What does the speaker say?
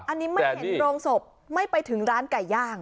อันนี้ไม่เห็นโรงศพไม่ไปถึงร้านไก่ย่าง